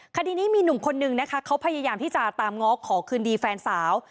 คดีนี้มีหนุ่มคนนึงนะคะเขาพยายามที่จะตามง้อขอคืนดีแฟนสาว